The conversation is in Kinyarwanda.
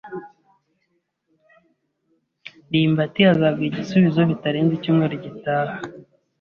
ndimbati azaguha igisubizo bitarenze icyumweru gitaha.